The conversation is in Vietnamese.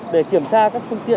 để kiểm tra các phương tiện